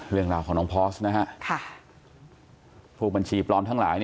เรื่องราวของน้องพอสนะฮะพวกบัญชีปลอมทั้งหลาย